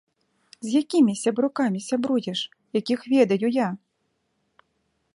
З якімі сябрукамі сябруеш, якіх ведаю я?